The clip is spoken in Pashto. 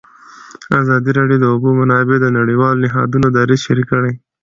ازادي راډیو د د اوبو منابع د نړیوالو نهادونو دریځ شریک کړی.